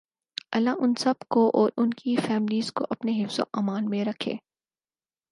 لله ان سب کو اور انکی فیملیز کو اپنے حفظ و امان میں رکھے